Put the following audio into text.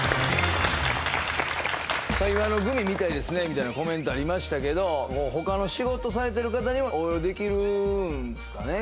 みたいなコメントありましたけど他の仕事されてる方にも応用できるんですかね